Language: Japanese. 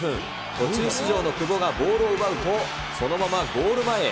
途中出場の久保がボールを奪うと、そのままゴール前へ。